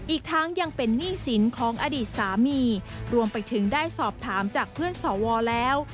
อีกทั้งยังเป็นหนี้สินของอดีตสามีรวมไปถึงได้สอบถามจากเพื่อนสวแล้ว